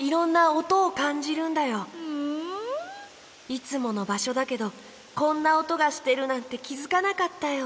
いつものばしょだけどこんなおとがしてるなんてきづかなかったよ。